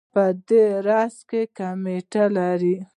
دا په راس کې کمیټې لري.